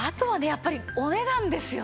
やっぱりお値段ですよね。